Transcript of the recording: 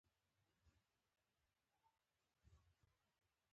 "په چاړه یې کړه حلاله سبحان من یرانی".